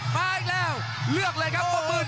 มาอีกแล้วเลือกเลยครับพ่อมืด